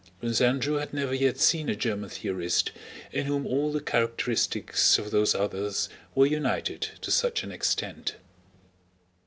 Prince Andrew had never yet seen a German theorist in whom all the characteristics of those others were united to such an extent.